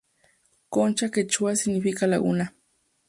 Cocha en Quechua significa Laguna.